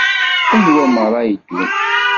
Anwa meṛṛa ara yeddun?